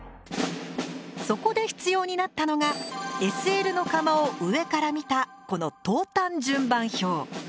そこで必要になったのがＳＬの窯を上から見たこの投炭順番表。